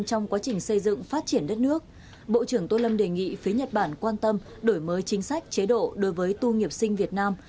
trong quá trình xây dựng phát triển đất nước bộ trưởng tô lâm đề nghị phía nhật bản quan tâm đổi mới chính sách chế độ đối với tu nghiệp sinh việt nam